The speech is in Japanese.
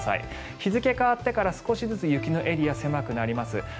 日付が変わってから少しずつ雪のエリアが狭くなります。